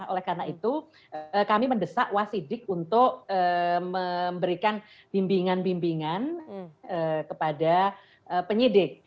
oleh karena itu kami mendesak wasidik untuk memberikan bimbingan bimbingan kepada penyidik